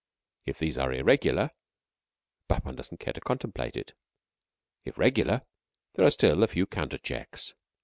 If these are irregular but one doesn't care to contemplate it. If regular, there are still a few counter checks.